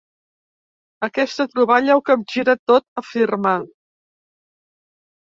Aquesta troballa ho capgira tot, afirma.